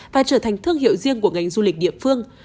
và trở thành thương hiệu riêng của ngành du lịch địa phương